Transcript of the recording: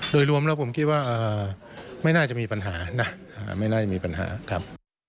โดยรวมแล้วผมคิดว่าไม่น่าจะมีปัญหานะไม่น่าจะมีปัญหาครับ